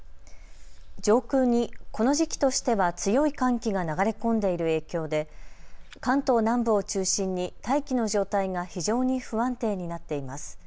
上空にこの時期としては強い寒気が流れ込んでいる影響で関東南部を中心に大気の状態が非常に不安定になっています。